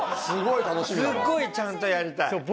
すごいちゃんとやりたい。